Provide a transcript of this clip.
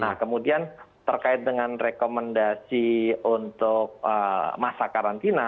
nah kemudian terkait dengan rekomendasi untuk masa karantina